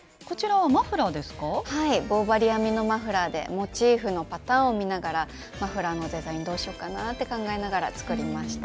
はい棒針編みのマフラーでモチーフのパターンを見ながらマフラーのデザインどうしようかなって考えながら作りました。